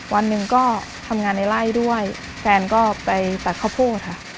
วันหนึ่งก็ทำงานในไล่ด้วยแฟนก็ไปตัดข้าวโพดค่ะ